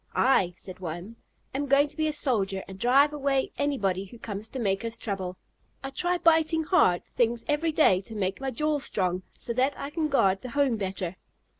"I," said one, "am going to be a soldier, and drive away anybody who comes to make us trouble. I try biting hard things every day to make my jaws strong, so that I can guard the home better."